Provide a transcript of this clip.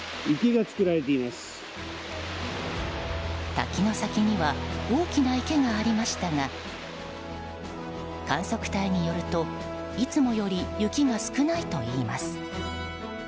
滝の先には大きな池がありましたが観測隊によるといつもより雪が少ないといいます。